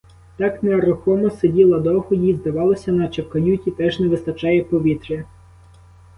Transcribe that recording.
Так нерухомо сиділа довго, їй здавалося, наче в каюті теж не вистачає повітря.